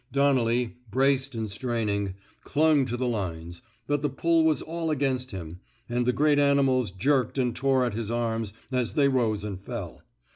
Donnelly, braced and straining, clung to the lines, but the pull was all against him, and the great animals jerked and tore at his arms as they rose and fell.